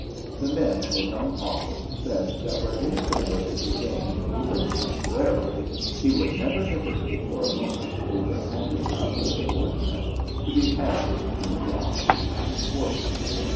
The men in his own office said that where anything was to be gained, even temporarily, he would never hesi tate for a moment over handing up a subordinate to be hanged and drawn and quartered.